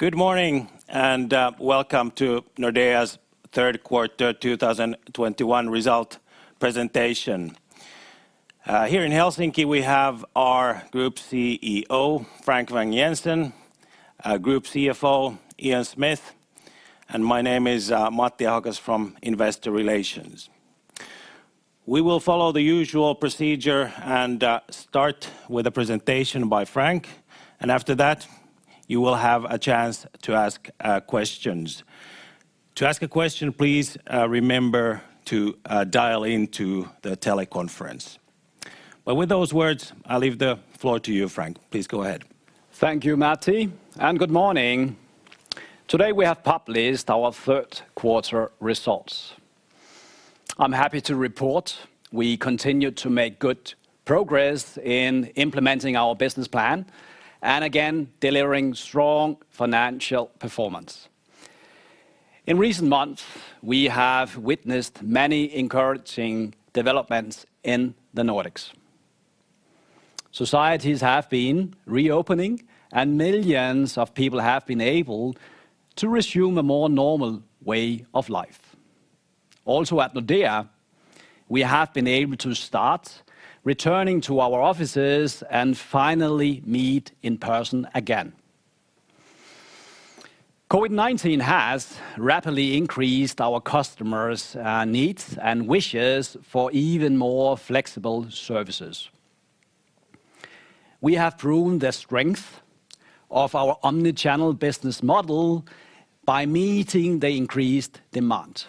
Good morning, and welcome to Nordea's third quarter 2021 result presentation. Here in Helsinki, we have our Group CEO, Frank Vang-Jensen, Group CFO, Ian Smith, and my name is Matti Ahokas from Investor Relations. We will follow the usual procedure and start with a presentation by Frank, and after that, you will have a chance to ask questions. To ask a question, please remember to dial into the teleconference. With those words, I leave the floor to you, Frank. Please go ahead. Thank you, Matti, and good morning. Today we have published our third quarter results. I'm happy to report we continue to make good progress in implementing our business plan, and again, delivering strong financial performance. In recent months, we have witnessed many encouraging developments in the Nordics. Societies have been reopening, and millions of people have been able to resume a more normal way of life. Also at Nordea, we have been able to start returning to our offices and finally meet in person again. COVID-19 has rapidly increased our customers' needs and wishes for even more flexible services. We have proven the strength of our omni-channel business model by meeting the increased demand.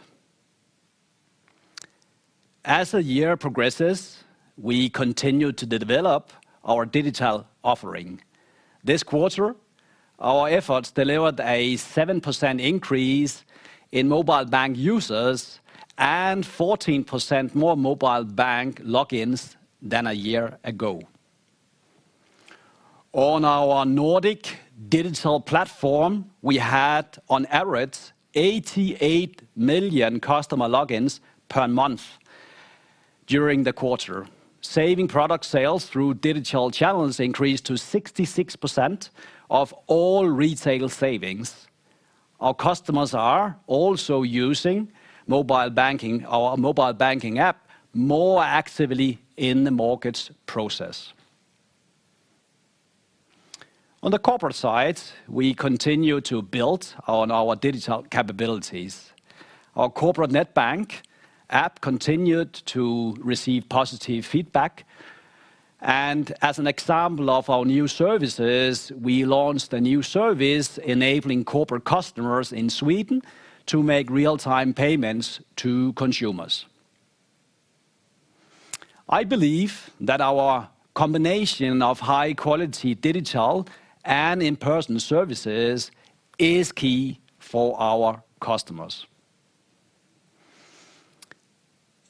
As the year progresses, we continue to develop our digital offering. This quarter, our efforts delivered a 7% increase in mobile bank users and 14% more mobile bank logins than a year ago. On our Nordic digital platform, we had on average 88 million customer logins per month during the quarter. Saving product sales through digital channels increased to 66% of all retail savings. Our customers are also using our mobile banking app more actively in the mortgage process. On the corporate side, we continue to build on our digital capabilities. Our Corporate Netbank app continued to receive positive feedback, and as an example of our new services, we launched a new service enabling corporate customers in Sweden to make real-time payments to consumers. I believe that our combination of high-quality digital and in-person services is key for our customers.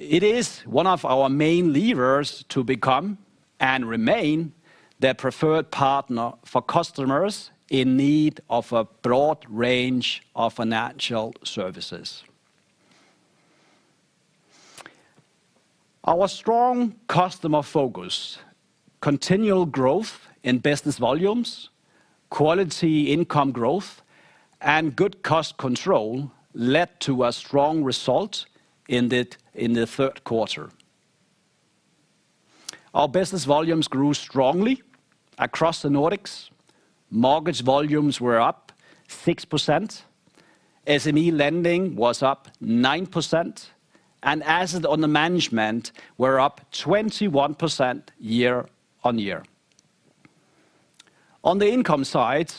It is one of our main levers to become and remain the preferred partner for customers in need of a broad range of financial services. Our strong customer focus, continual growth in business volumes, quality income growth, and good cost control led to a strong result in the third quarter. Our business volumes grew strongly across the Nordics. Mortgage volumes were up 6%, SME lending was up 9%, and asset under management were up 21% year-on-year. On the income side,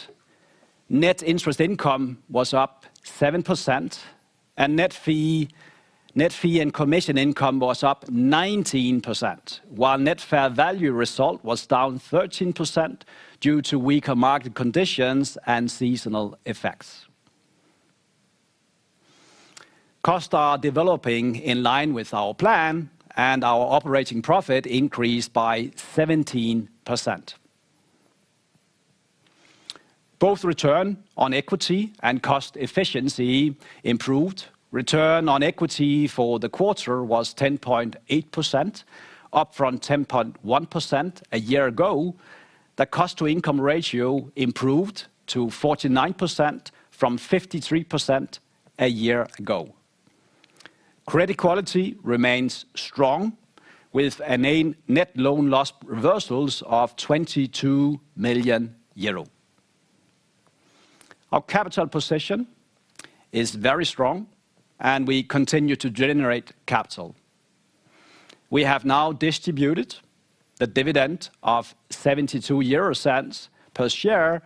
net interest income was up 7%, and net fee and commission income was up 19%, while net fair value result was down 13% due to weaker market conditions and seasonal effects. Costs are developing in line with our plan, and our operating profit increased by 17%. Both return on equity and cost efficiency improved. Return on equity for the quarter was 10.8%, up from 10.1% a year ago. The cost-to-income ratio improved to 49% from 53% a year ago. Credit quality remains strong, with net loan loss reversals of 22 million euro. Our capital position is very strong, and we continue to generate capital. We have now distributed the dividend of 0.72 per share,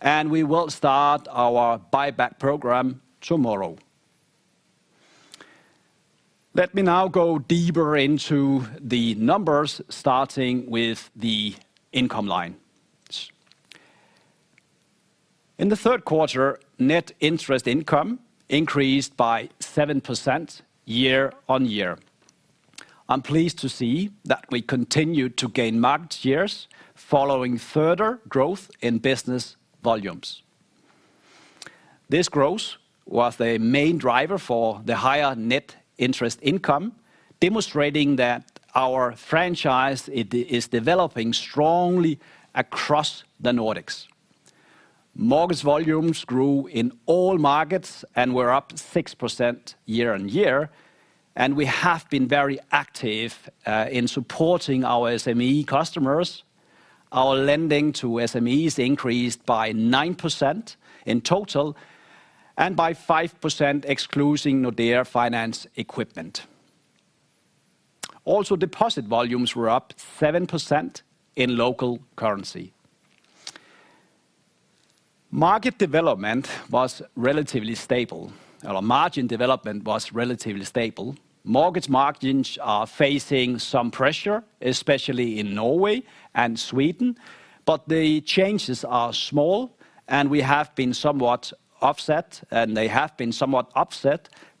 and we will start our buyback program tomorrow. Let me now go deeper into the numbers, starting with the income line. In the third quarter, net interest income increased by 7% year-on-year. I'm pleased to see that we continue to gain market shares following further growth in business volumes. This growth was the main driver for the higher net interest income, demonstrating that our franchise is developing strongly across the Nordics. Mortgage volumes grew in all markets and were up 6% year-on-year, and we have been very active in supporting our SME customers. Our lending to SMEs increased by 9% in total, and by 5% excluding Nordea Finance Equipment. Also, deposit volumes were up 7% in local currency. Market development was relatively stable. Our margin development was relatively stable. Mortgage margins are facing some pressure, especially in Norway and Sweden, but the changes are small, and they have been somewhat offset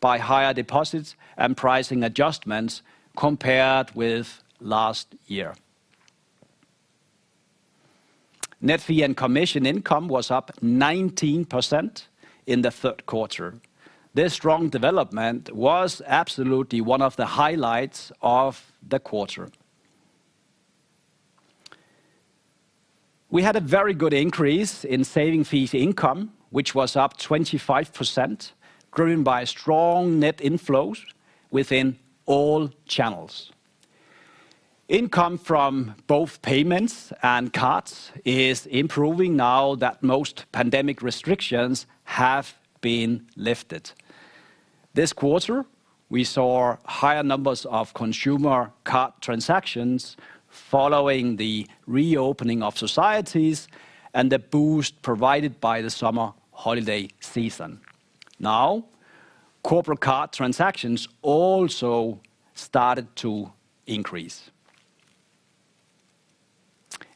by higher deposits and pricing adjustments compared with last year. Net fee and commission income was up 19% in the third quarter. This strong development was absolutely one of the highlights of the quarter. We had a very good increase in saving fees income, which was up 25%, driven by strong net inflows within all channels. Income from both payments and cards is improving now that most pandemic restrictions have been lifted. This quarter, we saw higher numbers of consumer card transactions following the reopening of societies and the boost provided by the summer holiday season. Now, corporate card transactions also started to increase.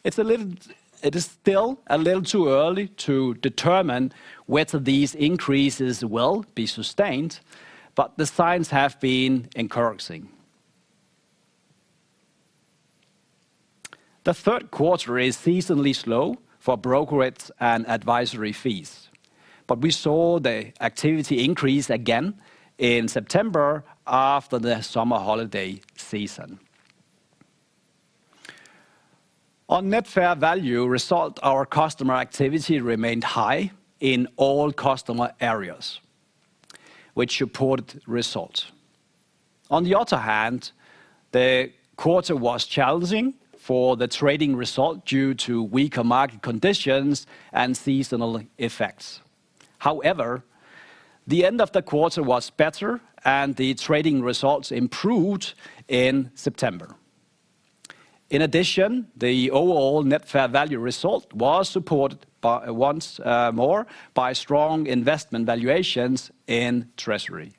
It is still a little too early to determine whether these increases will be sustained, but the signs have been encouraging. The third quarter is seasonally slow for brokerage and advisory fees. We saw the activity increase again in September after the summer holiday season. On net fair value result, our customer activity remained high in all customer areas, which supported results. On the other hand, the quarter was challenging for the trading result due to weaker market conditions and seasonal effects. However, the end of the quarter was better, and the trading results improved in September. In addition, the overall net fair value result was supported once more by strong investment valuations in treasury.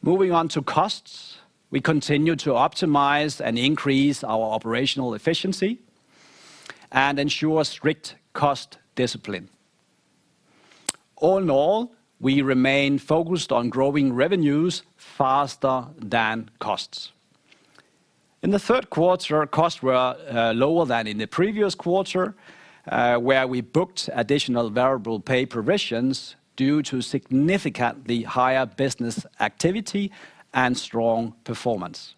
Moving on to costs, we continue to optimize and increase our operational efficiency and ensure strict cost discipline. All in all, we remain focused on growing revenues faster than costs. In the third quarter, costs were lower than in the previous quarter, where we booked additional variable pay provisions due to significantly higher business activity and strong performance.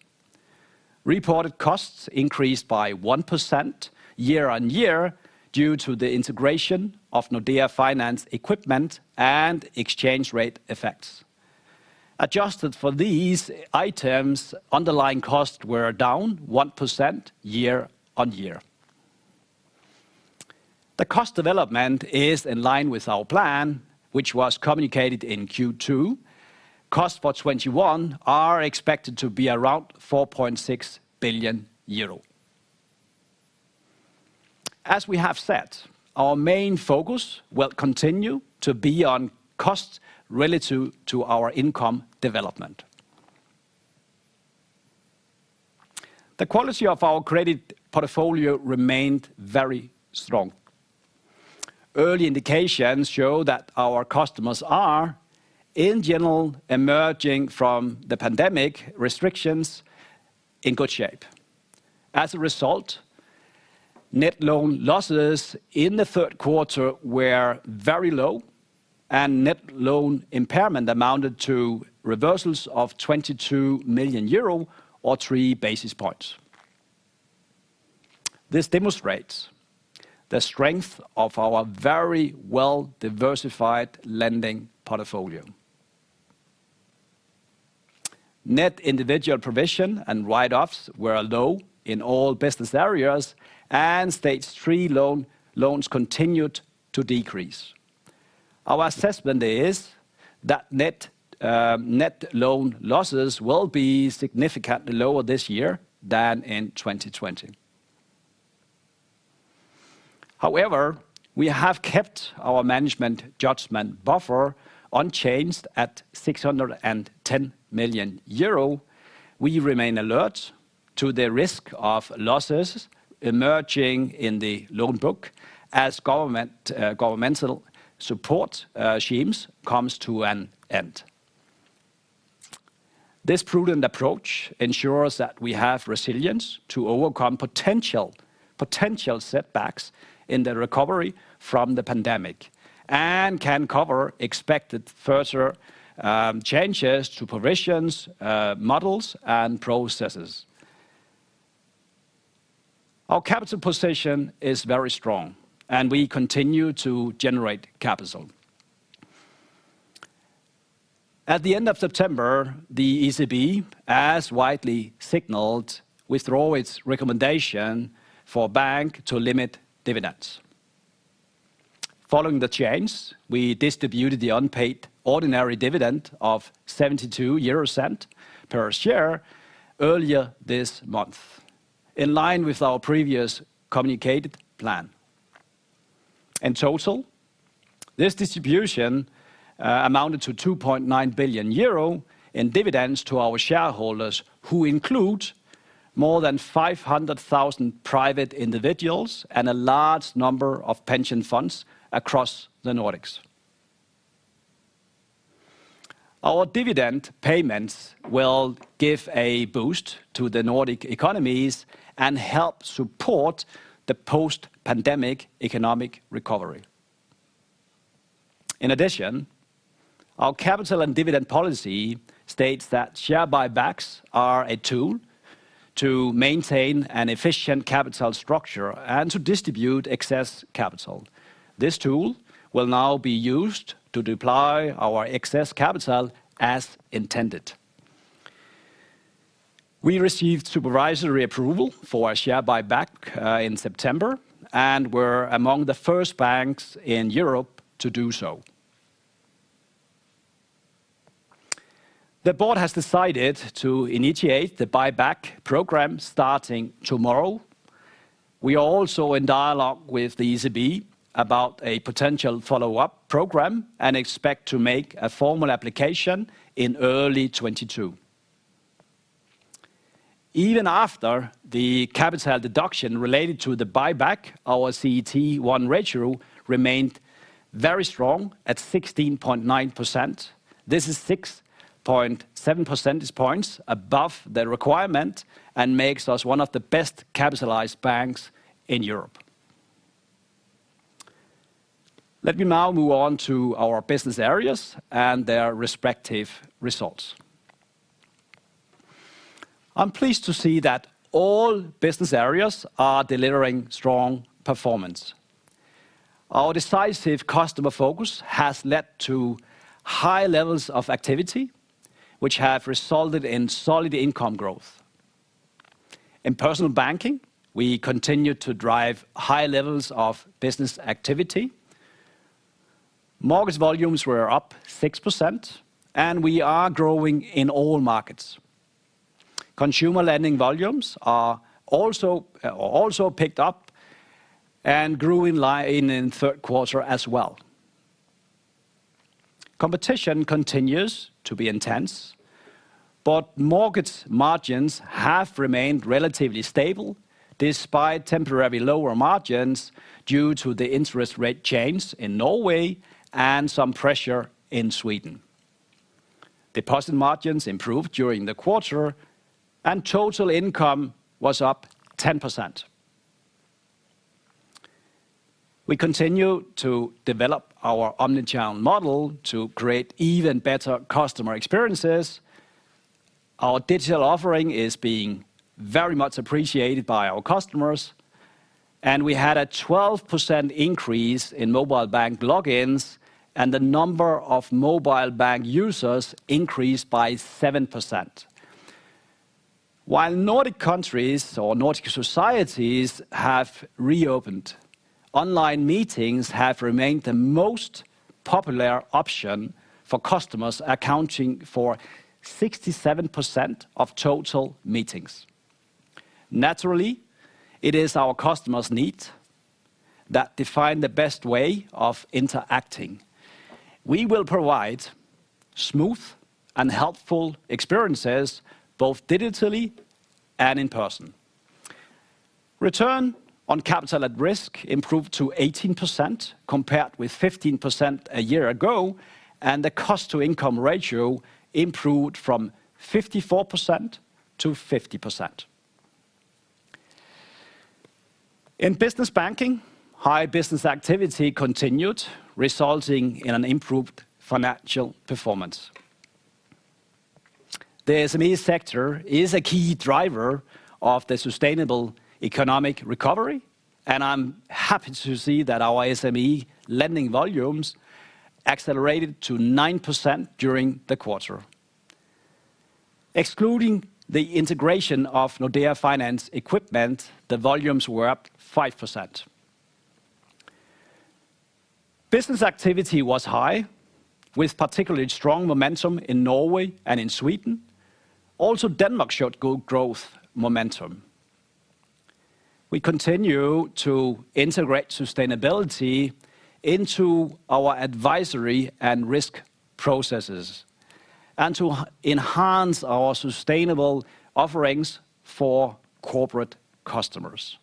Reported costs increased by 1% year-on-year due to the integration of Nordea Finance Equipment and exchange rate effects. Adjusted for these items, underlying costs were down 1% year-on-year. The cost development is in line with our plan, which was communicated in Q2. Costs for 2021 are expected to be around 4.6 billion euro. As we have said, our main focus will continue to be on costs relative to our income development. The quality of our credit portfolio remained very strong. Early indications show that our customers are, in general, emerging from the pandemic restrictions in good shape. As a result, net loan losses in the third quarter were very low, and net loan impairment amounted to reversals of 22 million euro or 3 basis points. This demonstrates the strength of our very well-diversified lending portfolio. Net individual provision and write-offs were low in all business areas, and stage 3 loans continued to decrease. Our assessment is that net loan losses will be significantly lower this year than in 2020. We have kept our management judgment buffer unchanged at 610 million euro. We remain alert to the risk of losses emerging in the loan book as governmental support schemes comes to an end. This prudent approach ensures that we have resilience to overcome potential setbacks in the recovery from the pandemic and can cover expected further changes to provisions, models, and processes. Our capital position is very strong, and we continue to generate capital. At the end of September, the ECB, as widely signaled, withdraw its recommendation for banks to limit dividends. Following the change, we distributed the unpaid ordinary dividend of 0.72 per share earlier this month, in line with our previous communicated plan. In total, this distribution amounted to 2.9 billion euro in dividends to our shareholders who include more than 500,000 private individuals and a large number of pension funds across the Nordics. Our dividend payments will give a boost to the Nordic economies and help support the post-pandemic economic recovery. In addition, our capital and dividend policy states that share buybacks are a tool to maintain an efficient capital structure and to distribute excess capital. This tool will now be used to deploy our excess capital as intended. We received supervisory approval for a share buyback in September and were among the first banks in Europe to do so. The board has decided to initiate the buyback program starting tomorrow. We are also in dialogue with the ECB about a potential follow-up program and expect to make a formal application in early 2022. Even after the capital deduction related to the buyback, our CET1 ratio remained very strong at 16.9%. This is 6.7 percentage points above the requirement and makes us one of the best capitalized banks in Europe. Let me now move on to our business areas and their respective results. I'm pleased to see that all business areas are delivering strong performance. Our decisive customer focus has led to high levels of activity, which have resulted in solid income growth. In personal banking, we continue to drive high levels of business activity. Mortgage volumes were up 6%, and we are growing in all markets. Consumer lending volumes are also picked up and grew in line in the third quarter as well. Competition continues to be intense, but mortgage margins have remained relatively stable despite temporarily lower margins due to the interest rate change in Norway and some pressure in Sweden. Deposit margins improved during the quarter, and total income was up 10%. We continue to develop our omnichannel model to create even better customer experiences. Our digital offering is being very much appreciated by our customers, and we had a 12% increase in mobile bank logins, and the number of mobile bank users increased by 7%. While Nordic countries or Nordic societies have reopened, online meetings have remained the most popular option for customers, accounting for 67% of total meetings. Naturally, it is our customers' needs that define the best way of interacting. We will provide smooth and helpful experiences both digitally and in person. Return on capital at risk improved to 18% compared with 15% a year ago, and the cost-to-income ratio improved from 54% to 50%. In business banking, high business activity continued, resulting in an improved financial performance. The SME sector is a key driver of the sustainable economic recovery, and I'm happy to see that our SME lending volumes accelerated to 9% during the quarter. Excluding the integration of Nordea Finance Equipment, the volumes were up 5%. Business activity was high, with particularly strong momentum in Norway and in Sweden. Also, Denmark showed good growth momentum. We continue to integrate sustainability into our advisory and risk processes and to enhance our sustainable offerings for corporate customers.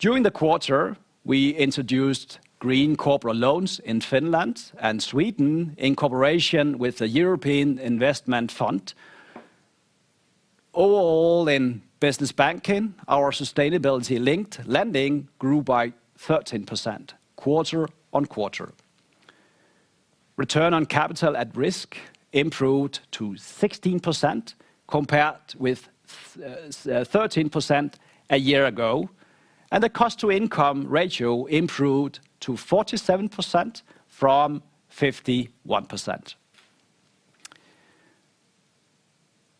During the quarter, we introduced green corporate loans in Finland and Sweden in cooperation with the European Investment Fund. Overall, in business banking, our sustainability-linked lending grew by 13%, quarter-on-quarter. Return on capital at risk improved to 16%, compared with 13% a year ago, and the cost-to-income ratio improved to 47% from 51%.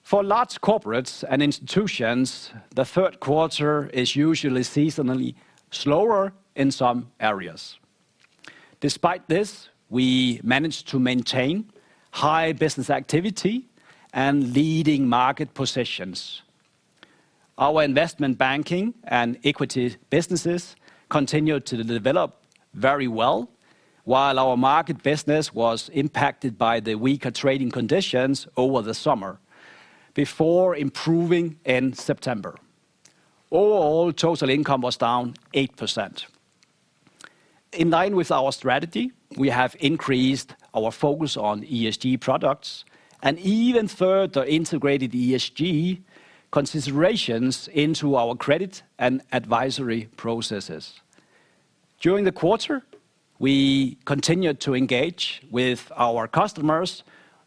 For large corporates and institutions, the third quarter is usually seasonally slower in some areas. Despite this, we managed to maintain high business activity and leading market positions. Our investment banking and equity businesses continued to develop very well, while our market business was impacted by the weaker trading conditions over the summer, before improving in September. Overall, total income was down 8%. In line with our strategy, we have increased our focus on ESG products and even further integrated ESG considerations into our credit and advisory processes. During the quarter, we continued to engage with our customers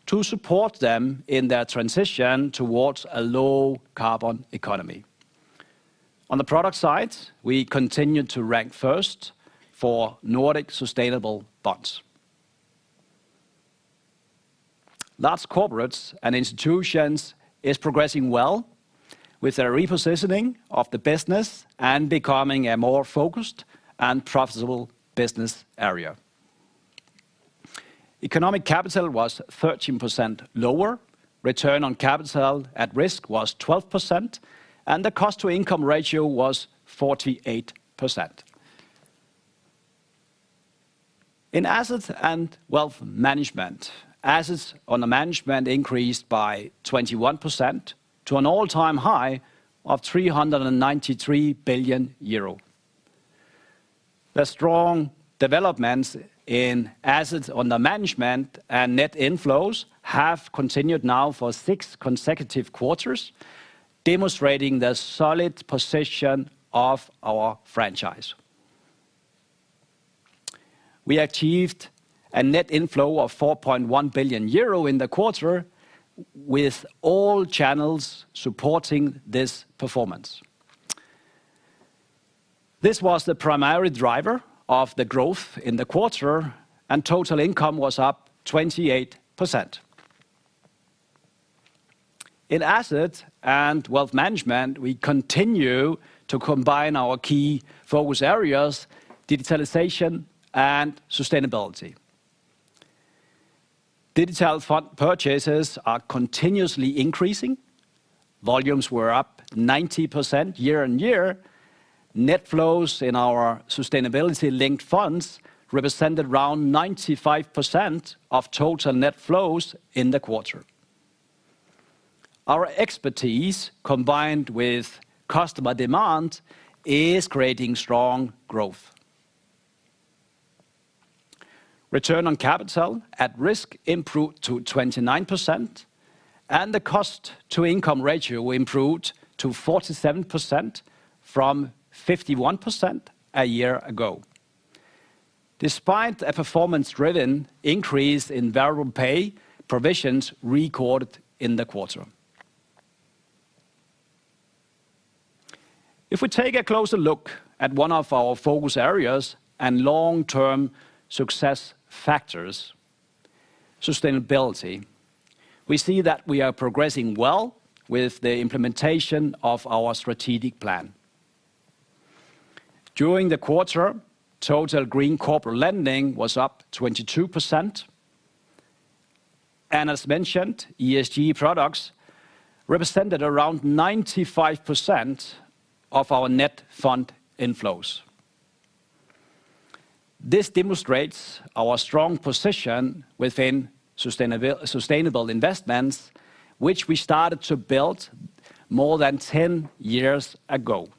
to support them in their transition towards a low-carbon economy. On the product side, we continued to rank first for Nordic sustainable bonds. Large corporates and institutions is progressing well with their repositioning of the business and becoming a more focused and profitable business area. Economic capital was 13% lower, return on capital at risk was 12%, and the cost-to-income ratio was 48%. In assets and wealth management, assets under management increased by 21% to an all-time high of 393 billion euro. The strong developments in assets under management and net inflows have continued now for six consecutive quarters, demonstrating the solid position of our franchise. We achieved a net inflow of 4.1 billion euro in the quarter, with all channels supporting this performance. This was the primary driver of the growth in the quarter, and total income was up 28%. In assets and wealth management, we continue to combine our key focus areas, digitalization and sustainability. Digital fund purchases are continuously increasing. Volumes were up 90% year-on-year. Net flows in our sustainability linked funds represented around 95% of total net flows in the quarter. Our expertise, combined with customer demand, is creating strong growth. Return on capital at risk improved to 29%, and the cost-to-income ratio improved to 47% from 51% a year ago, despite a performance-driven increase in variable pay provisions recorded in the quarter. If we take a closer look at one of our focus areas and long-term success factors, sustainability, we see that we are progressing well with the implementation of our strategic plan. During the quarter, total green corporate lending was up 22%. As mentioned, ESG products represented around 95% of our net fund inflows. This demonstrates our strong position within sustainable investments, which we started to build more than 10 years ago.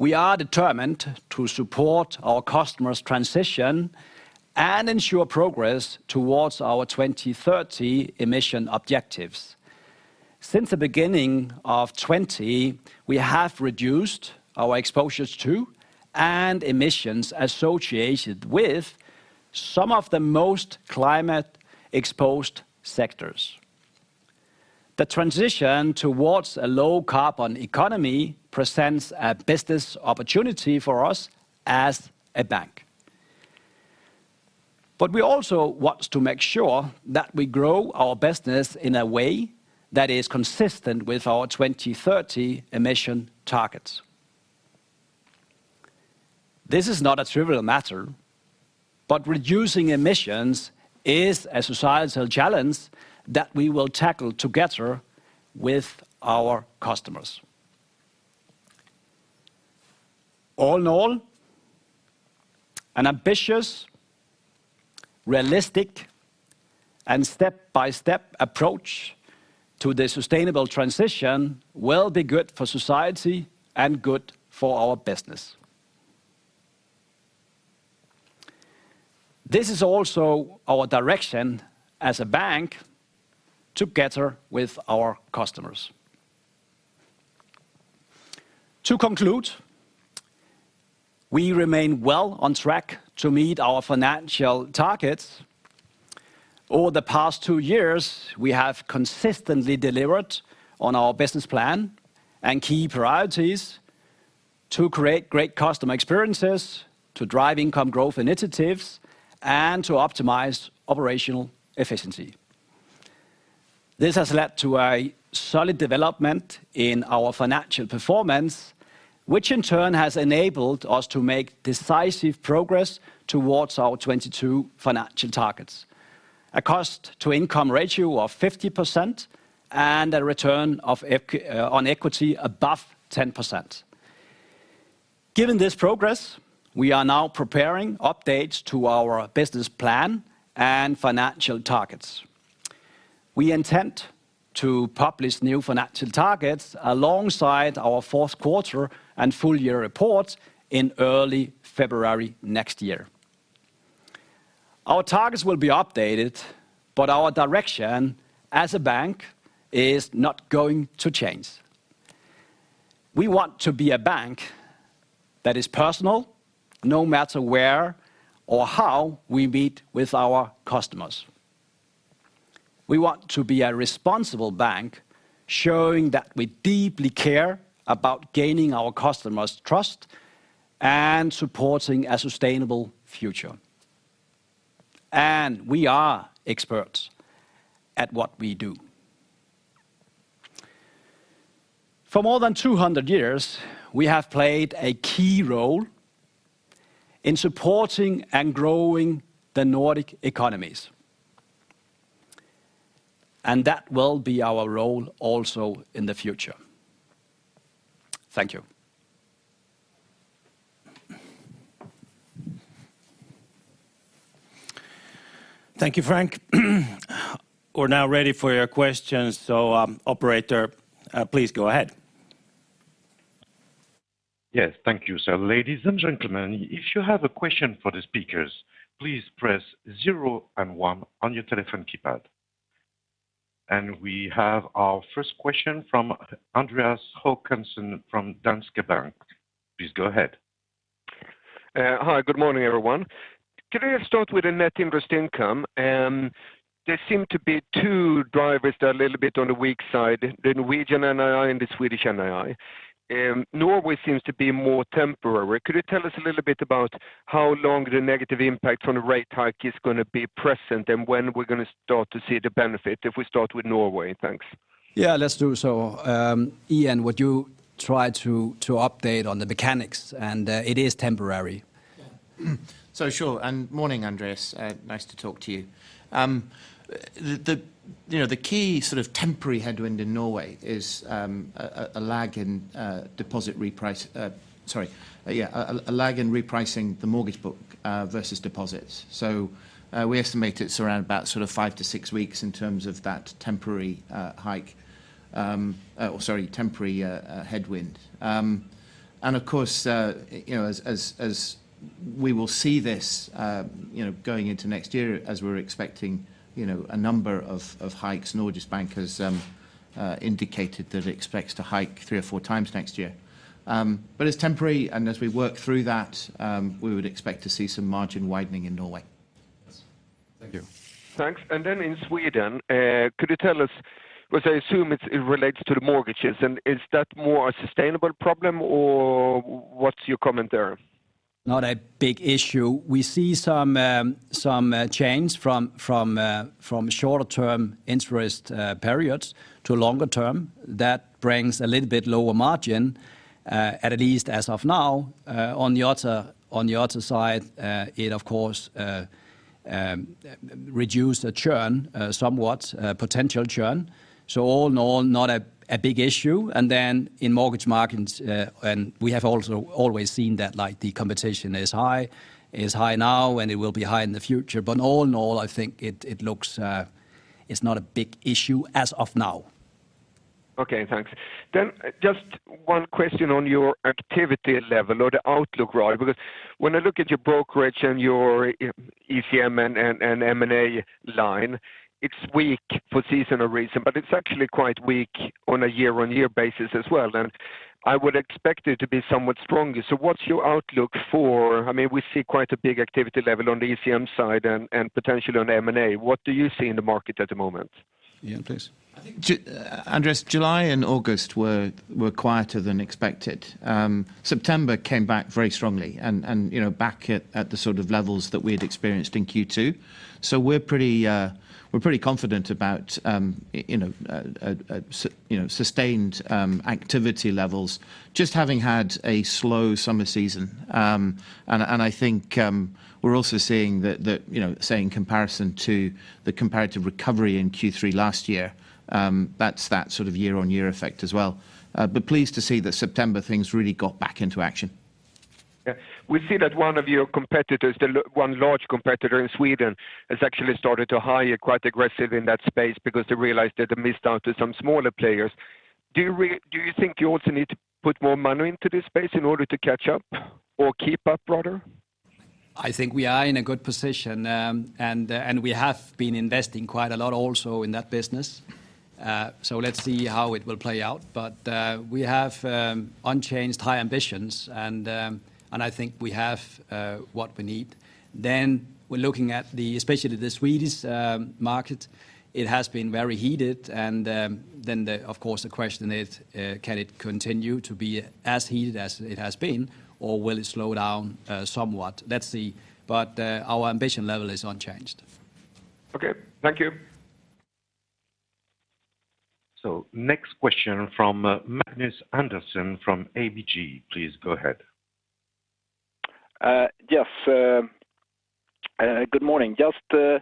We are determined to support our customers' transition and ensure progress towards our 2030 emission objectives. Since the beginning of 2020, we have reduced our exposures to and emissions associated with some of the most climate-exposed sectors. The transition towards a low-carbon economy presents a business opportunity for us as a bank. We also want to make sure that we grow our business in a way that is consistent with our 2030 emission targets. This is not a trivial matter, but reducing emissions is a societal challenge that we will tackle together with our customers. All in all, an ambitious, realistic, and step-by-step approach to the sustainable transition will be good for society and good for our business. This is also our direction as a bank together with our customers. To conclude, we remain well on track to meet our financial targets. Over the past two years, we have consistently delivered on our business plan and key priorities to create great customer experiences, to drive income growth initiatives, and to optimize operational efficiency. This has led to a solid development in our financial performance, which in turn has enabled us to make decisive progress towards our 2022 financial targets. A cost-to-income ratio of 50% and a return on equity above 10%. Given this progress, we are now preparing updates to our business plan and financial targets. We intend to publish new financial targets alongside our fourth quarter and full-year report in early February next year. Our targets will be updated, but our direction as a bank is not going to change. We want to be a bank that is personal, no matter where or how we meet with our customers. We want to be a responsible bank, showing that we deeply care about gaining our customers' trust and supporting a sustainable future. We are experts at what we do. For more than 200 years, we have played a key role in supporting and growing the Nordic economies. That will be our role also in the future. Thank you. Thank you, Frank. We're now ready for your questions. Operator, please go ahead. Yes, thank you, sir. Ladies and gentlemen, if you have a question for the speakers, please press zero and one on your telephone keypad. We have our first question from Andreas Håkansson from Danske Bank. Please go ahead. Hi, good morning, everyone. Could we start with the net interest income? There seem to be two drivers that are a little bit on the weak side, the Norwegian NII and the Swedish NII. Norway seems to be more temporary. Could you tell us a little bit about how long the negative impact from the rate hike is going to be present, and when we're going to start to see the benefit, if we start with Norway? Thanks. Yeah, let's do so. Ian, would you try to update on the mechanics? It is temporary. Yeah. Sure, morning, Andreas. Nice to talk to you. The key temporary headwind in Norway is a lag in repricing the mortgage book versus deposits. We estimate it's around about five to six weeks in terms of that temporary headwind. Of course, as we will see this going into next year as we're expecting a number of hikes, Norges Bank has indicated that it expects to hike 3x or 4x next year. It's temporary, and as we work through that, we would expect to see some margin widening in Norway. Yes. Thank you. Thanks. In Sweden, could you tell us, because I assume it relates to the mortgages, and is that more a sustainable problem, or what's your comment there? Not a big issue. We see some change from shorter-term interest periods to longer-term. That brings a little bit lower margin, at least as of now. On the other side, it, of course, reduced the churn somewhat, potential churn. All in all, not a big issue. In mortgage markets, and we have also always seen that the competition is high, is high now, and it will be high in the future. All in all, I think it's not a big issue as of now. Okay, thanks. Just one question on your activity level or the outlook, right? When I look at your brokerage and your ECM and M&A line, it's weak for seasonal reason, but it's actually quite weak on a year-on-year basis as well. I would expect it to be somewhat stronger. I mean, we see quite a big activity level on the ECM side and potentially on M&A. What do you see in the market at the moment? Ian, please. I think, Andreas, July and August were quieter than expected. September came back very strongly and back at the sort of levels that we had experienced in Q2. We're pretty confident about sustained activity levels, just having had a slow summer season. I think we're also seeing that, say, in comparison to the comparative recovery in Q3 last year, that's that sort of year-on-year effect as well. Pleased to see that September things really got back into action. Yeah. We see that one of your competitors, one large competitor in Sweden, has actually started to hire quite aggressively in that space because they realized that they missed out to some smaller players. Do you think you also need to put more money into this space in order to catch up or keep up, rather? I think we are in a good position, and we have been investing quite a lot also in that business. Let's see how it will play out. We have unchanged high ambitions, and I think we have what we need. We're looking at the, especially the Swedish market, it has been very heated. Of course the question is, can it continue to be as heated as it has been, or will it slow down somewhat? Let's see. Our ambition level is unchanged. Okay. Thank you. Next question from Magnus Andersson from ABG. Please go ahead. Yes. Good morning. Just starting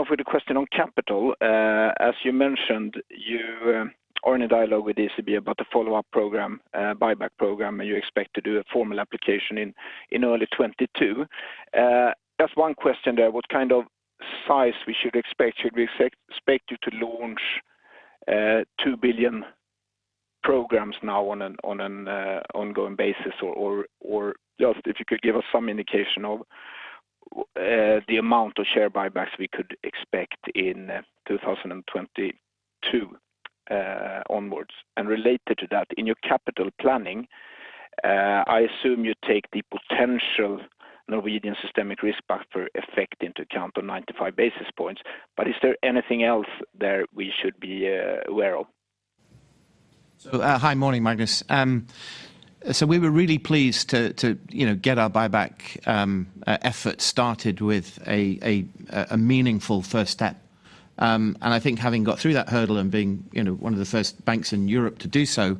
off with a question on capital. As you mentioned, you are in a dialogue with ECB about the follow-up program, buyback program, and you expect to do a formal application in early 2022. Just one question there, what kind of size we should expect? Should we expect you to launch 2 billion programs now on an ongoing basis? Just if you could give us some indication of the amount of share buybacks we could expect in 2022 onwards? Related to that, in your capital planning, I assume you take the potential Norwegian systemic risk buffer effect into account on 95 basis points. Is there anything else there we should be aware of? Hi, morning, Magnus. We were really pleased to get our buyback effort started with a meaningful first step. I think having got through that hurdle and being one of the first banks in Europe to do so,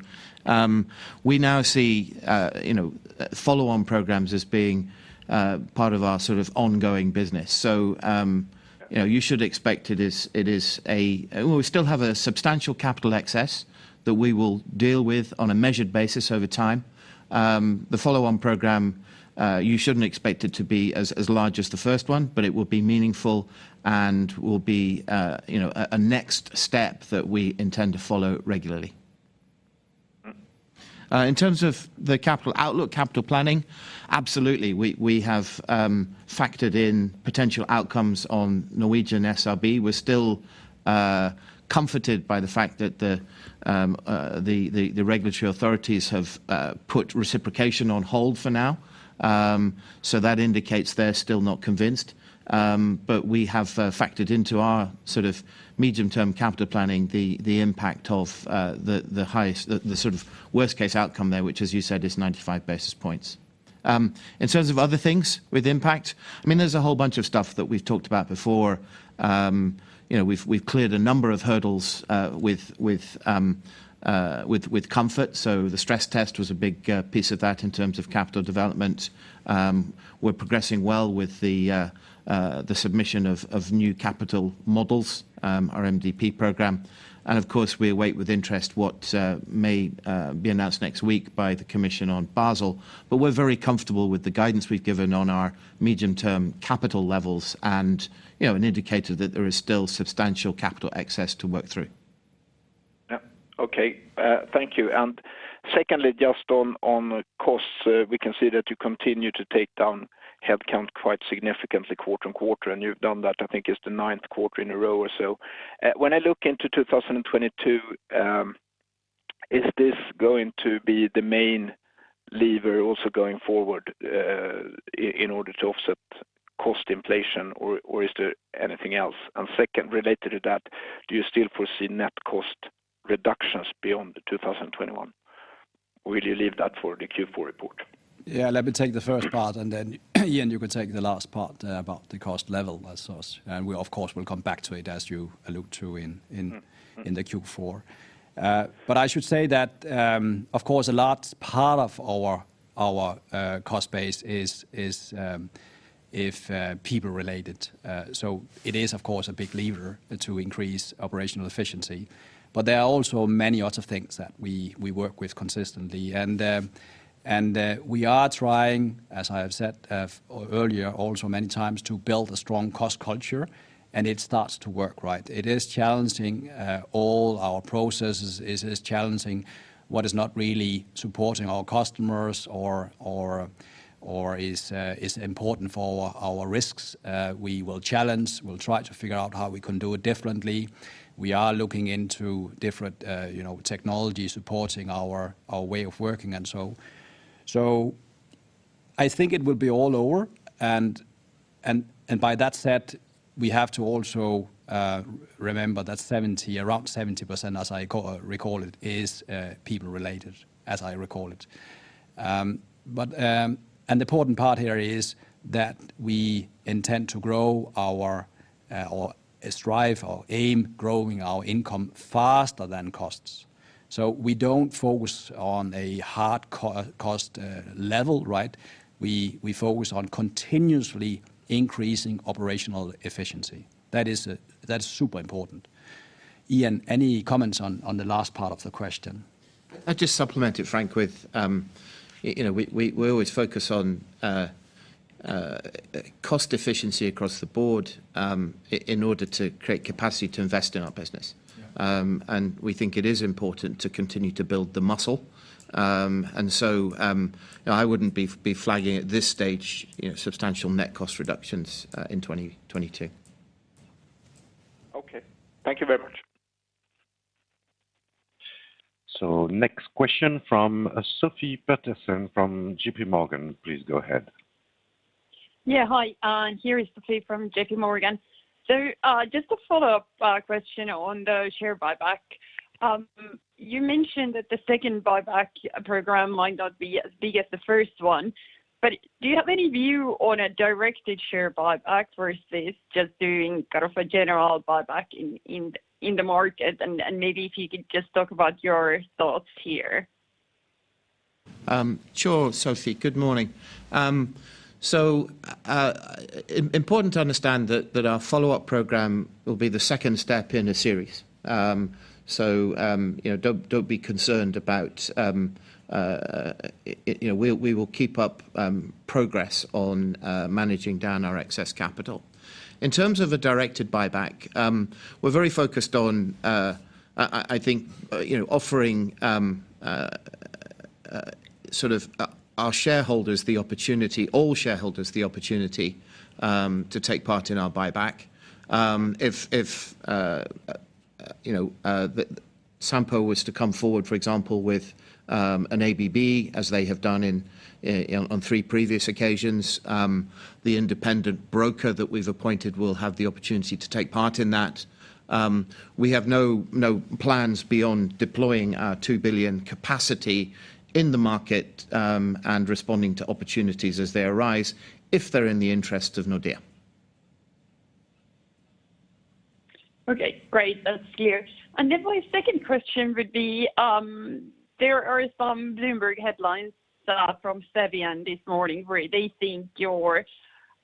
we now see follow-on programs as being part of our ongoing business. You should expect, well, we still have a substantial capital excess that we will deal with on a measured basis over time. The follow-on program, you shouldn't expect it to be as large as the first one, but it will be meaningful and will be a next step that we intend to follow regularly. In terms of the capital outlook, capital planning, absolutely. We have factored in potential outcomes on Norwegian SRB. We're still comforted by the fact that the regulatory authorities have put reciprocation on hold for now. That indicates they're still not convinced. We have factored into our medium-term capital planning the impact of the highest, the worst case outcome there, which as you said, is 95 basis points. In terms of other things with impact, there's a whole bunch of stuff that we've talked about before. We've cleared a number of hurdles with comfort. The stress test was a big piece of that in terms of capital development. We're progressing well with the submission of new capital models, our MDP program. Of course, we await with interest what may be announced next week by the commission on Basel. We're very comfortable with the guidance we've given on our medium-term capital levels and an indicator that there is still substantial capital excess to work through. Yeah. Okay. Thank you. Secondly, just on costs, we can see that you continue to take down headcount quite significantly quarter-on-quarter, and you've done that, I think it's the ninth quarter in a row or so. When I look into 2022, is this going to be the main lever also going forward in order to offset cost inflation, or is there anything else? Second, related to that, do you still foresee net cost reductions beyond 2021, or will you leave that for the Q4 report? Yeah, let me take the first part and then Ian, you can take the last part about the cost level. We of course, will come back to it as you allude to in the Q4. I should say that, of course, a large part of our cost base is people related. It is, of course, a big lever to increase operational efficiency. There are also many other things that we work with consistently. We are trying, as I have said earlier also many times, to build a strong cost culture and it starts to work right. It is challenging all our processes. It is challenging what is not really supporting our customers or is important for our risks. We will challenge, we will try to figure how we can do it differently. We are looking into different technologies supporting our way of working and so. I think it will be all over, and by that said, we have to also remember that around 70%, as I recall it, is people related, as I recall it. The important part here is that we intend to grow our, or strive or aim growing our income faster than costs. We don't focus on a hard cost level, right? We focus on continuously increasing operational efficiency. That's super important. Ian, any comments on the last part of the question? I'll just supplement it, Frank, with we always focus on cost efficiency across the board in order to create capacity to invest in our business. Yeah. We think it is important to continue to build the muscle. I wouldn't be flagging at this stage substantial net cost reductions in 2022. Okay. Thank you very much. Next question from Sofie Peterzens from JPMorgan. Please go ahead. Yeah. Hi, here is Sofie from JPMorgan. Just a follow-up question on the share buyback. You mentioned that the second buyback program might not be as big as the first one, do you have any view on a directed share buyback versus just doing kind of a general buyback in the market? Maybe if you could just talk about your thoughts here. Sure, Sofie. Good morning. Important to understand that our follow-up program will be the second step in a series. We will keep up progress on managing down our excess capital. In terms of a directed buyback, we're very focused on I think offering all shareholders the opportunity to take part in our buyback. If Sampo was to come forward, for example, with an ABB as they have done on three previous occasions, the independent broker that we've appointed will have the opportunity to take part in that. We have no plans beyond deploying our 2 billion capacity in the market, and responding to opportunities as they arise if they're in the interest of Nordea. Okay, great. That's clear. My second question would be, there are some Bloomberg headlines from Cevian this morning where they think your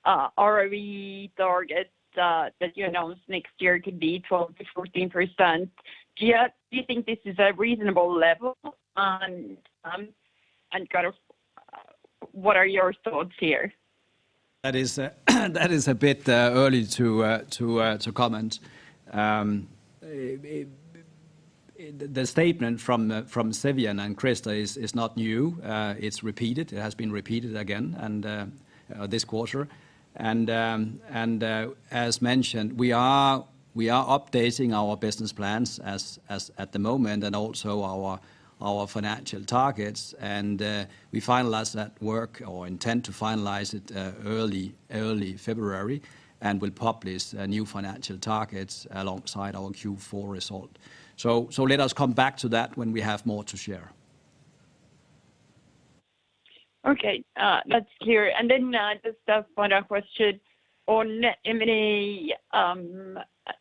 ROE target that you announced next year could be 12%-14%. Do you think this is a reasonable level, and what are your thoughts here? That is a bit early to comment. The statement from Cevian and Christer is not new. It's repeated. It has been repeated again this quarter. As mentioned, we are updating our business plans as at the moment, and also our financial targets. We finalize that work or intend to finalize it early February, and will publish new financial targets alongside our Q4 result. Let us come back to that when we have more to share. Okay. That's clear. Just a final question on M&A.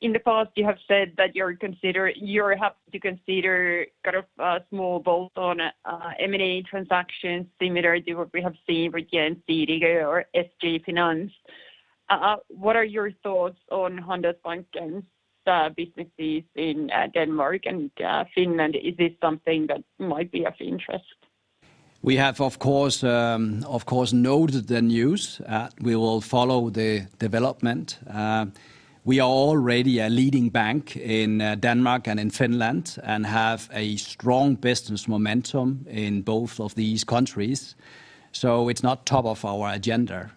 In the past you have said that you're happy to consider kind of small bolt-on M&A transactions similar to what we have seen with DNB or SG Finans. What are your thoughts on Handelsbanken's businesses in Denmark and Finland? Is this something that might be of interest? We have of course noted the news. We will follow the development. We are already a leading bank in Denmark and in Finland, and have a strong business momentum in both of these countries. It's not top of our agenda.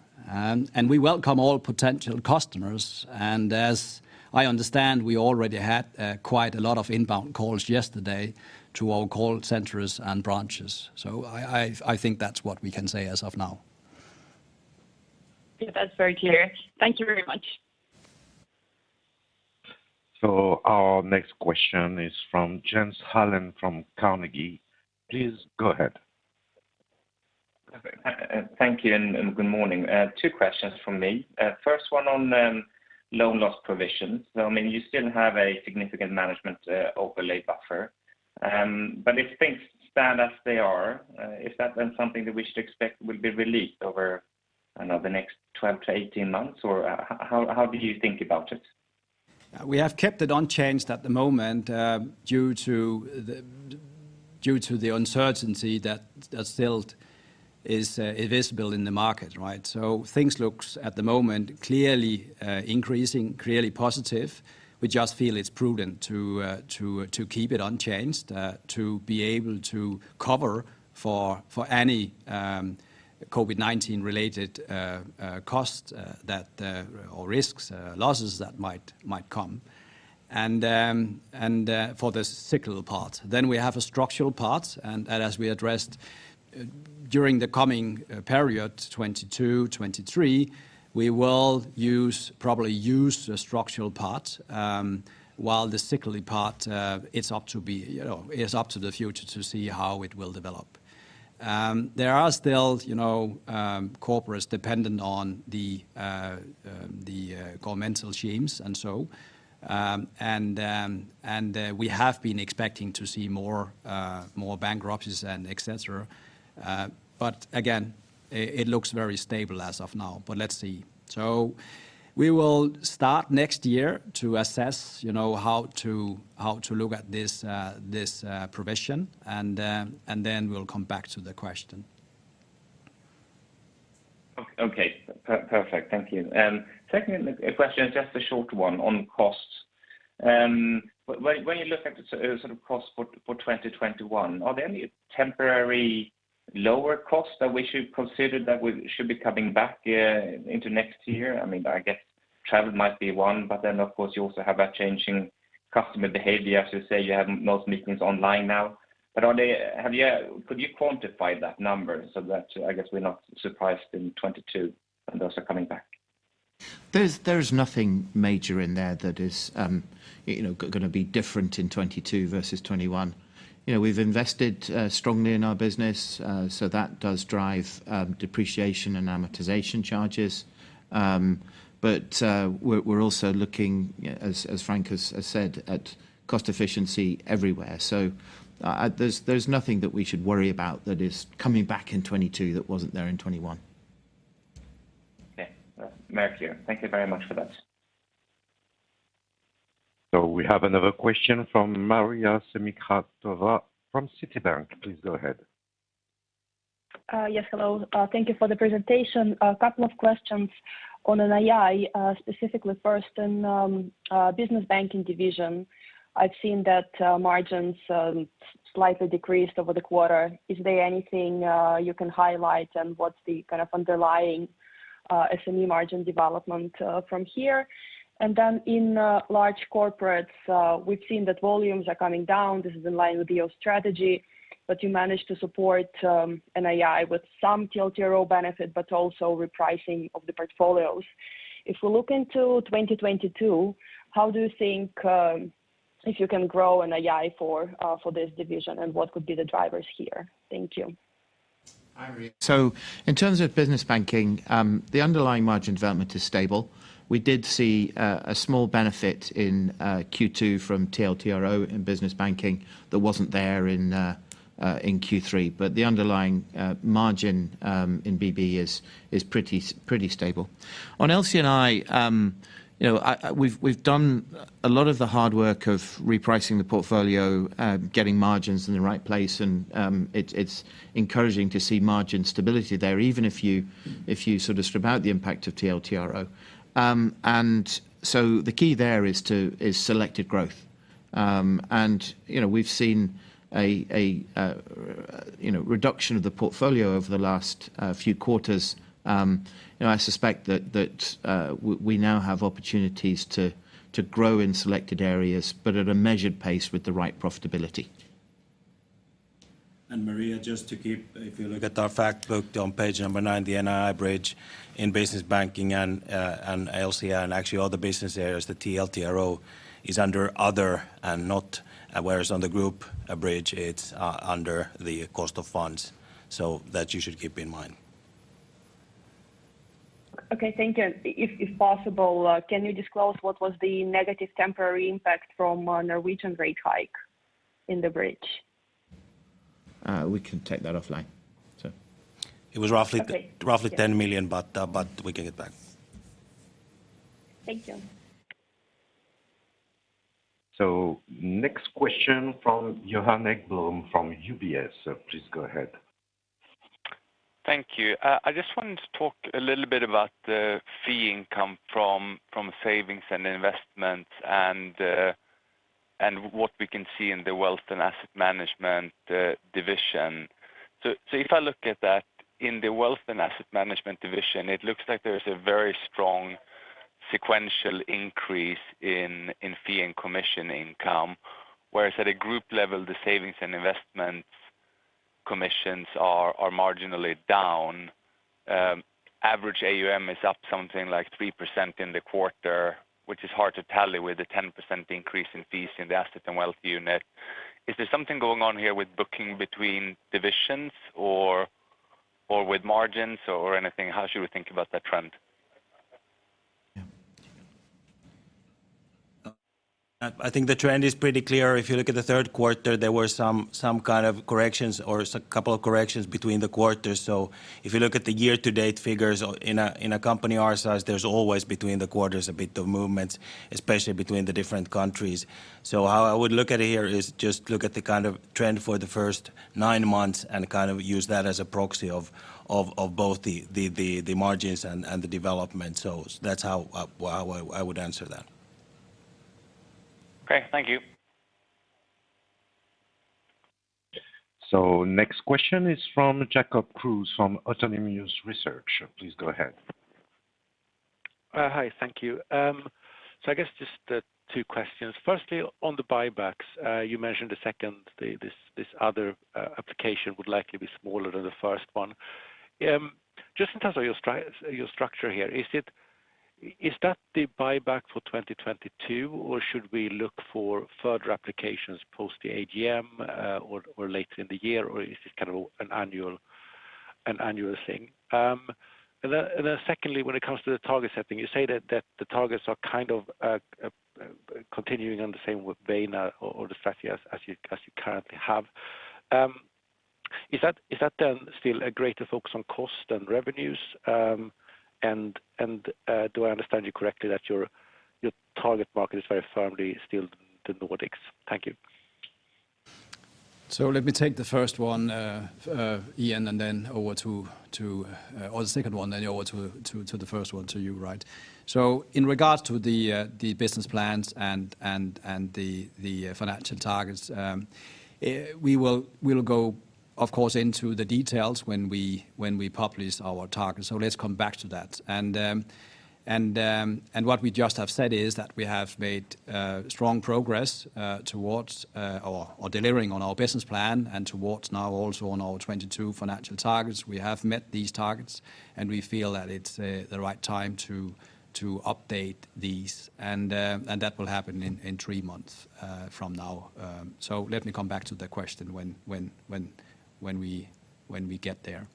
We welcome all potential customers, and as I understand, we already had quite a lot of inbound calls yesterday to our call centers and branches. I think that's what we can say as of now. Yeah, that's very clear. Thank you very much. Our next question is from Jens Hallén from Carnegie. Please go ahead. Perfect. Thank you and good morning. Two questions from me. First one on loan loss provisions. I mean, you still have a significant management overlay buffer. If things stand as they are, is that then something that we should expect will be released over, I don't know, the next 12-18 months? How do you think about it? We have kept it unchanged at the moment due to the uncertainty that still is visible in the market, right? Things looks, at the moment, clearly increasing, clearly positive. We just feel it's prudent to keep it unchanged to be able to cover for any COVID-19 related costs or risks, losses that might come. For the cyclical part. We have a structural part, and as we addressed during the coming period, 2022, 2023, we will probably use the structural part, while the cyclical part, it's up to the future to see how it will develop. There are still corporates dependent on the governmental schemes and so on. We have been expecting to see more bankruptcies and et cetera. Again, it looks very stable as of now, but let's see. We will start next year to assess how to look at this provision, and then we'll come back to the question. Okay, perfect. Thank you. Second question, just a short one on costs. When you look at the costs for 2021, are there any temporary lower costs that we should consider that should be coming back into next year? I guess travel might be one, but then, of course, you also have that changing customer behavior. As you say, you have most meetings online now. Could you quantify that number so that we're not surprised in 2022 when those are coming back? There's nothing major in there that is going to be different in 2022 versus 2021. We've invested strongly in our business. That does drive depreciation and amortization charges. We're also looking, as Frank has said, at cost efficiency everywhere. There's nothing that we should worry about that is coming back in 2022 that wasn't there in 2021. Okay. Thank you. Thank you very much for that. We have another question from Maria Semikhatova from Citibank. Please go ahead. Yes. Hello. Thank you for the presentation. A couple of questions on NII, specifically first in Business Banking division. I've seen that margins slightly decreased over the quarter. Is there anything you can highlight, and what's the kind of underlying SME margin development from here? In Large Corporates, we've seen that volumes are coming down. This is in line with your strategy, but you managed to support NII with some TLTRO benefit but also repricing of the portfolios. If we look into 2022, how do you think if you can grow NII for this division, and what could be the drivers here? Thank you. Hi, Maria. In terms of Business Banking, the underlying margin development is stable. We did see a small benefit in Q2 from TLTRO in Business Banking that wasn't there in Q3. The underlying margin in BB is pretty stable. On LC&I, we've done a lot of the hard work of repricing the portfolio, getting margins in the right place, and it's encouraging to see margin stability there, even if you strip out the impact of TLTRO. The key there is selected growth. We've seen a reduction of the portfolio over the last few quarters. I suspect that we now have opportunities to grow in selected areas but at a measured pace with the right profitability. Maria, just to keep, if you look at our fact book on page number nine, the NII bridge in Business Banking and LC, and actually all the business areas, the TLTRO is under other and not whereas on the group bridge it's under the cost of funds. That you should keep in mind. Okay. Thank you. If possible, can you disclose what was the negative temporary impact from a Norwegian rate hike in the bridge? We can take that offline. It was- Okay. Roughly 10 million, but we can get back. Thank you. Next question from Johan Ekblom from UBS. Please go ahead. Thank you. I just want to talk a little bit about the fee income from savings and investment, and what we can see in the Wealth and Asset Management division. If I look at that, in the Wealth and Asset Management division, it looks like there's a very strong sequential increase in fee and commission income, whereas at a group level, the savings and investment commissions are marginally down. Average AUM is up something like 3% in the quarter, which is hard to tally with the 10% increase in fees in the Asset & Wealth unit. Is there something going on here with booking between divisions or with margins or anything? How should we think about that trend? Yeah. I think the trend is pretty clear. If you look at the third quarter, there were some kind of corrections or a couple of corrections between the quarters. If you look at the year-to-date figures in a company our size, there's always between the quarters a bit of movement, especially between the different countries. How I would look at it here is just look at the kind of trend for the first nine months and use that as a proxy of both the margins and the development. That's how I would answer that. Okay. Thank you. Next question is from Jacob Kruse from Autonomous Research. Please go ahead. Hi. Thank you. I guess just two questions. Firstly, on the buybacks, you mentioned the second, this other application would likely be smaller than the first one. Just in terms of your structure here, is that the buyback for 2022, or should we look for further applications post the AGM or later in the year, or is this kind of an annual thing? Secondly, when it comes to the target setting, you say that the targets are kind of continuing on the same vein or the strategy as you currently have. Is that then still a greater focus on cost and revenues? Do I understand you correctly that your target market is very firmly still the Nordics? Thank you. Let me take the first one, Ian, or the second one, then over to the first one to you, right. In regards to the business plans and the financial targets, we'll go, of course, into the details when we publish our targets. Let's come back to that. What we just have said is that we have made strong progress towards delivering on our business plan and towards now also on our 2022 financial targets. We have met these targets, and we feel that it's the right time to update these, and that will happen in three months from now. Let me come back to the question when we get there.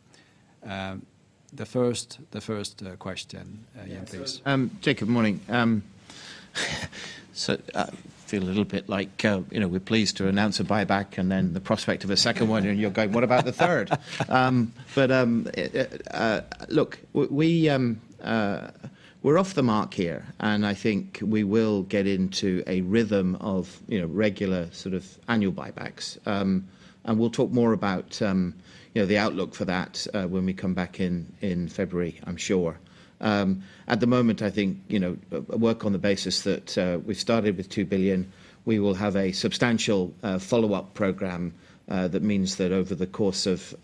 The first question, Ian, please. Jacob, morning. I feel a little bit like we're pleased to announce a buyback and then the prospect of a second one, and you're going, "What about the third?" Look, we're off the mark here, and I think we will get into a rhythm of regular annual buybacks. We'll talk more about the outlook for that when we come back in February, I'm sure. At the moment, I think, work on the basis that we've started with 2 billion. We will have a substantial follow-up program that means that over the course of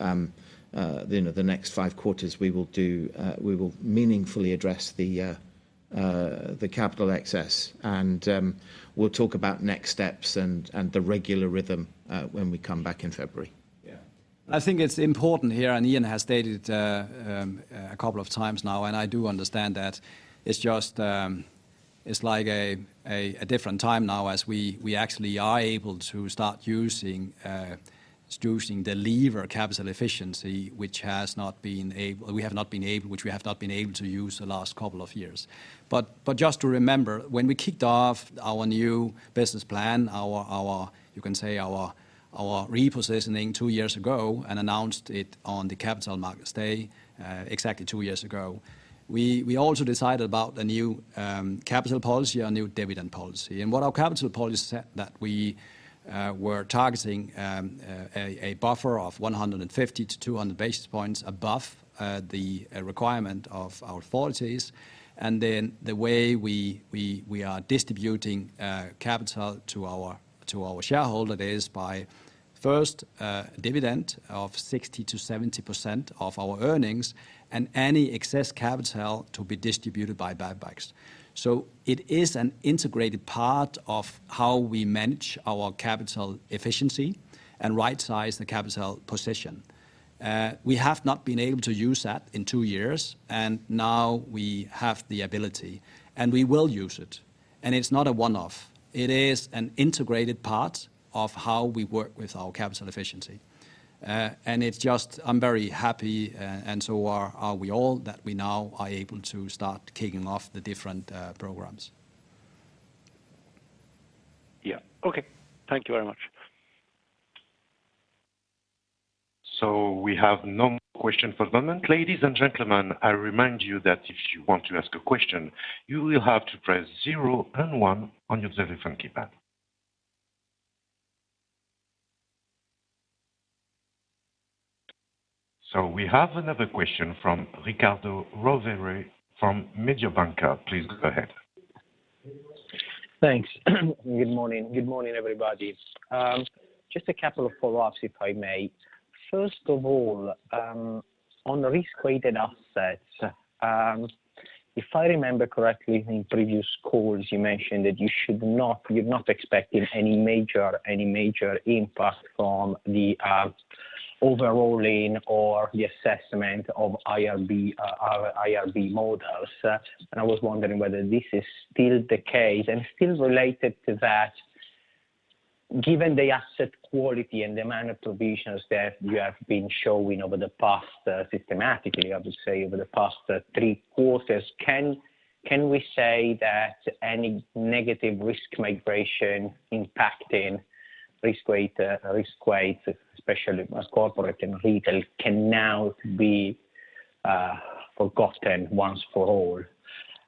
the next five quarters, we will meaningfully address the capital excess. We'll talk about next steps and the regular rhythm when we come back in February. I think it's important here, Ian has stated a couple of times now, and I do understand that it's like a different time now as we actually are able to start using the lever capital efficiency, which we have not been able to use the last couple of years. Just to remember, when we kicked off our new business plan, our repositioning two years ago and announced it on the capital markets day exactly two years ago, we also decided about a new capital policy, a new dividend policy. What our capital policy said that we were targeting a buffer of 150-200 basis points above the requirement of our authorities. The way we are distributing capital to our shareholder is by first dividend of 60%-70% of our earnings, and any excess capital to be distributed by buybacks. It is an integrated part of how we manage our capital efficiency and right-size the capital position. We have not been able to use that in two years, and now we have the ability, and we will use it. It's not a one-off. It is an integrated part of how we work with our capital efficiency. I'm very happy, and so are we all, that we now are able to start kicking off the different programs. Yeah. Okay. Thank you very much. We have no more questions for the moment. Ladies and gentlemen, I remind you that if you want to ask a question, you will have to press zero and one on your telephone keypad. We have another question from Riccardo Rovere from Mediobanca. Please go ahead. Thanks. Good morning. Good morning, everybody. Just a couple of follow-ups, if I may. First of all, on risk-weighted assets, if I remember correctly, in previous calls, you mentioned that you've not expected any major impact from the overhauling or the assessment of our IRB models. I was wondering whether this is still the case. Still related to that, given the asset quality and the amount of provisions that you have been showing over the past systematically, I would say over the past three quarters, can we say that any negative risk migration impacting risk weight, especially as corporate and retail can now be forgotten once for all?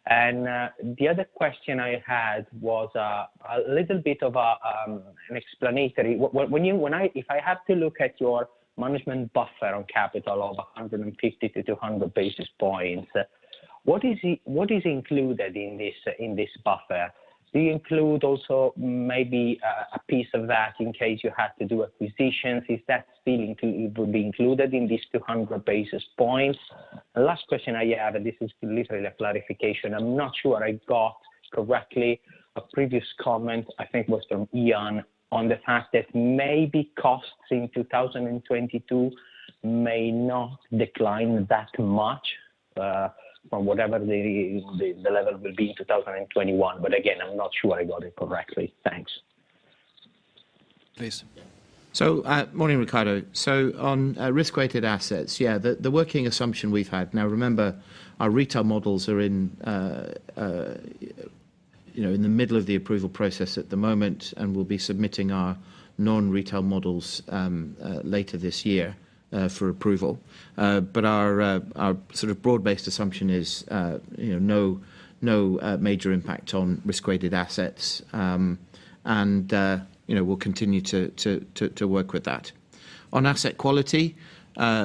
The other question I had was a little bit of an explanatory. If I have to look at your management buffer on capital of 150-200 basis points, what is included in this buffer? Do you include also maybe a piece of that in case you have to do acquisitions? Is that still to be included in these 200 basis points? The last question I have, this is literally a clarification. I'm not sure I got correctly a previous comment, I think it was from Ian, on the fact that maybe costs in 2022 may not decline that much from whatever the level will be in 2021. Again, I'm not sure I got it correctly. Thanks. Please. Morning, Riccardo. On risk-weighted assets, yeah, the working assumption we've had. Remember, our retail models are in the middle of the approval process at the moment, and we'll be submitting our non-retail models later this year for approval. Our broad-based assumption is no major impact on risk-weighted assets, and we'll continue to work with that. On asset quality,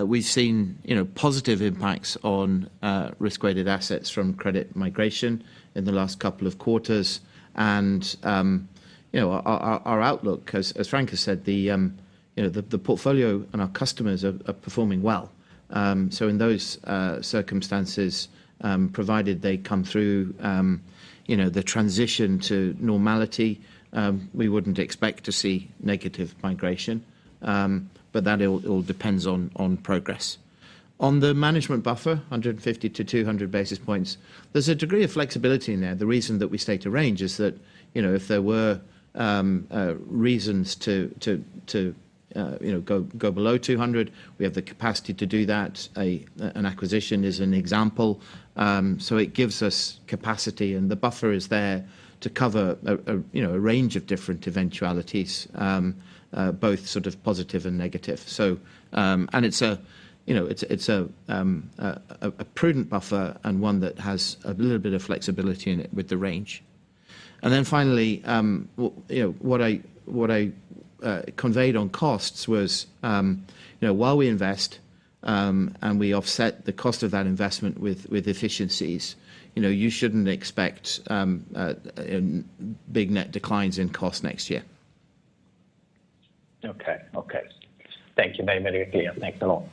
we've seen positive impacts on risk-weighted assets from credit migration in the last couple of quarters. Our outlook, as Frank has said, the portfolio and our customers are performing well. In those circumstances, provided they come through the transition to normality, we wouldn't expect to see negative migration. That all depends on progress. On the management buffer, 150-200 basis points, there's a degree of flexibility in there. The reason that we state a range is that if there were reasons to go below 200, we have the capacity to do that. An acquisition is an example. It gives us capacity, and the buffer is there to cover a range of different eventualities, both positive and negative. It's a prudent buffer and one that has a little bit of flexibility in it with the range. Finally, what I conveyed on costs was while we invest and we offset the cost of that investment with efficiencies, you shouldn't expect big net declines in cost next year. Okay. Thank you. Very clear. Thanks a lot.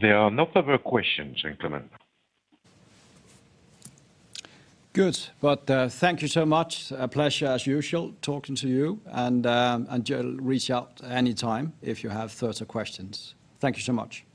There are no further questions at the moment. Good. Thank you so much. A pleasure as usual talking to you, and just reach out anytime if you have further questions. Thank you so much.